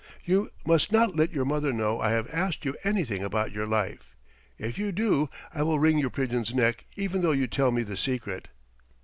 "You must not let your mother know I have asked you anything about your life. If you do I will wring your pigeons' necks even though you tell me the secret."